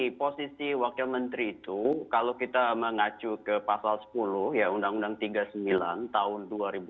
di posisi wakil menteri itu kalau kita mengacu ke pasal sepuluh ya undang undang tiga puluh sembilan tahun dua ribu dua